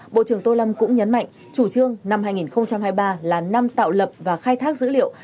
bộ trưởng tô lâm cũng nhấn mạnh chủ trương năm hai nghìn hai mươi ba là năm tạo lập và khai thác dữ liệu